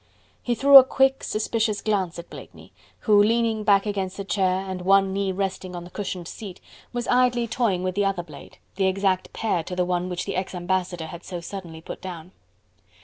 He threw a quick, suspicious glance at Blakeney, who, leaning back against the chair and one knee resting on the cushioned seat, was idly toying with the other blade, the exact pair to the one which the ex ambassador had so suddenly put down.